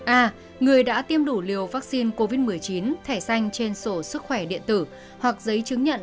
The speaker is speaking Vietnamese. a người đã tiêm đủ liều vaccine covid một mươi chín thẻ xanh trên sổ sức khỏe điện tử hoặc giấy chứng nhận